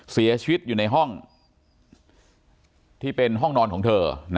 เสียชีวิตอยู่ในห้องที่เป็นห้องนอนของเธอ